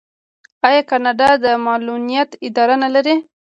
آیا کاناډا د معلولینو اداره نلري؟